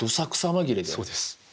そうです。